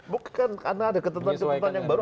bukan karena ada ketentuan ketentuan yang baru